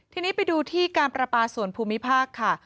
ทีนี้ไปดูที่การประปาส่วนภูมิภาคค่ะ